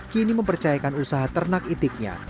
kini mempercayakan usaha ternak itiknya